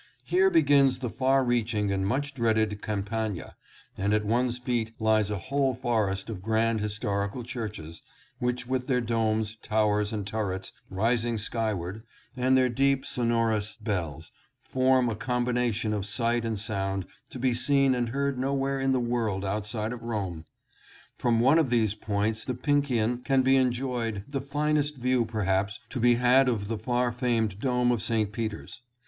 Here begins the far reaching and much dreaded Campagna, and at one's feet lies a whole forest of grand historical churches, which with their domes, towers and turrets rising skyward, and their deep sono rous bells, form a combination of sight and sound to be seen and heard nowhere in the world outside of Rome. From one of these points, the Pincian, can be enjoyed the finest view perhaps to be had of the far famed dome of St. Peter's.